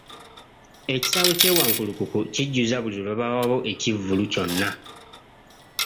Ekisaawe ky'e Wankulukuku kijjuza buli lwe wabaayo ekivvulu kyonna.